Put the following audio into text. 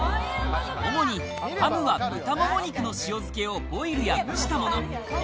主にハムは豚もも肉の塩漬けをボイルで蒸したもの。